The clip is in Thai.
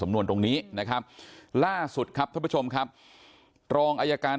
นวนตรงนี้นะครับล่าสุดครับท่านผู้ชมครับรองอายการ